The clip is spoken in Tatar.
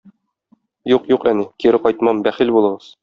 Юк, юк, әни, кире кайтмам, бәхил булыгыз